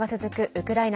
ウクライナ